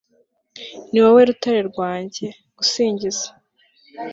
ni wowe rutare rwanjye [gusingiza